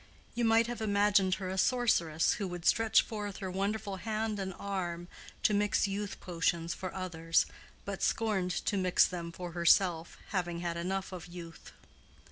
You might have imagined her a sorceress who would stretch forth her wonderful hand and arm to mix youth potions for others, but scorned to mix them for herself, having had enough of youth.